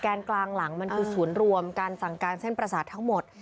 กลางหลังมันคือศูนย์รวมการสั่งการเส้นประสาททั้งหมด